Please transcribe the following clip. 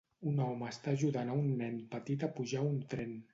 Un home està ajudant a un nen petit a pujar a un tren.